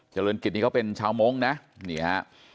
เจริญกิจนี่เขาเป็นชาวมงค์นะนี่ฮะ